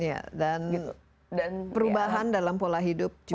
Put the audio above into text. ya dan perubahan dalam pola hidup